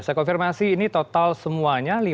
saya konfirmasi ini total semuanya